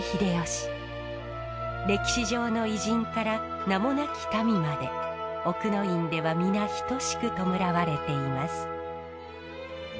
歴史上の偉人から名もなき民まで奥之院では皆等しく弔われています。